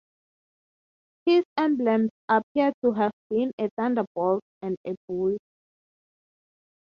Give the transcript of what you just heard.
His emblems appear to have been a thunderbolt and a bull.